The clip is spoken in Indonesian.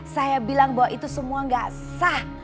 saya bilang bahwa itu semua gak sah